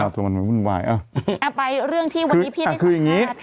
อ้าวไปเรื่องที่วันนี้พี่ได้สอนง่ายค่ะ